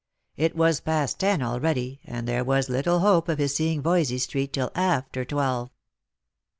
It was past ten already, and there was little hope of his seeing Voysey street till after twelve.